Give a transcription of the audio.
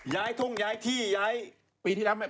ย้ายทุ่งย้ายที่ย้าย